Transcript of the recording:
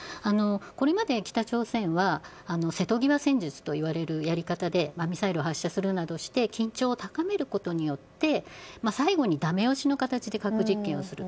これまで北朝鮮は瀬戸際戦術といわれるやり方でミサイルを発射するなどして緊張を高めることによって最後にだめ押しの形で核実験をする。